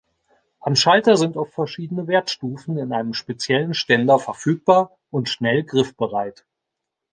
Am Schalter sind oft verschiedene Wertstufen in einem speziellen Ständer verfügbar und schnell griffbereit.